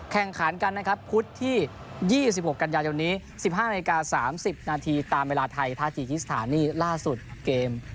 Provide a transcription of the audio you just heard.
แข่งขันกันนะครับพุธที่๒๖กันยายนนี้๑๕นาที๓๐นาทีตามเวลาไทยท่าจีกิสถานีล่าสุดเกม